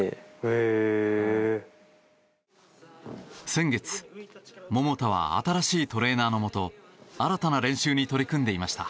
先月、桃田は新しいトレーナーのもと新たな練習に取り組んでいました。